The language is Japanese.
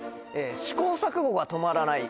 試行錯誤が止まらない！